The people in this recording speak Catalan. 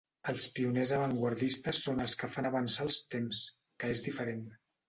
Els pioners avantguardistes són els que fan avançar els temps, que és diferent.